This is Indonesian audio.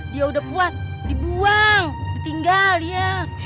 dia udah puas dibuang ditinggal ya